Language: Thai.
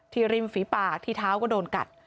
ริมฝีปากที่เท้าก็โดนกัด